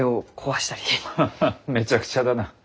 ハハめちゃくちゃだな。